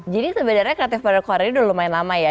jadi sebenarnya creative partner corner ini udah lumayan lama ya